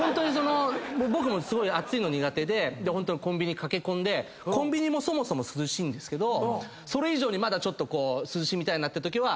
僕もすごい暑いの苦手でホントにコンビニ駆け込んでコンビニもそもそも涼しいですけどそれ以上にまだちょっと涼しみたいなってときは。